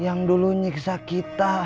yang dulu nyiksa kita